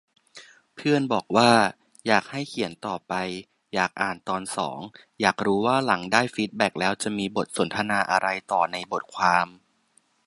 เพื่อนบอกว่า อยากให้เขียนต่อไป อยากอ่านตอนสอง อยากรู้ว่าหลังได้ฟีดแบคแล้วจะมีบทสนทนาอะไรต่อในบทความ